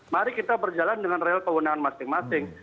mari kita berjalan dengan rel kewenangan masing masing